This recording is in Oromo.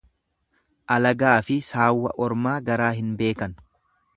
Alagaafi saawwa ormaa garaa hin beekan.